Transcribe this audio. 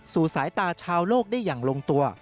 สายตาชาวโลกได้อย่างลงตัว